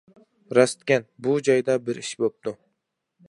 راستكەن، بۇ جايدا بىر ئىش بوپتۇ.